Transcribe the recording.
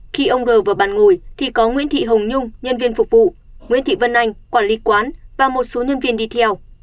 khi ông r vừa bàn ngủ thì có nguyễn thị hồng nhung nhân viên phục vụ nguyễn thị vân anh quản lý quán và một số nhân viên đi theo